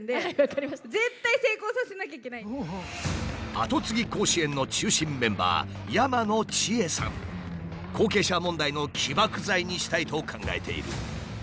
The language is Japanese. アトツギ甲子園の中心メンバー後継者問題の起爆剤にしたいと考えている。